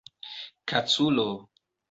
kaculo